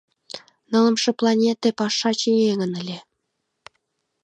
Нылымше планете пашаче еҥын ыле.